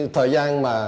thời gian mà